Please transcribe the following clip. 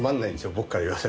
僕から言わせると。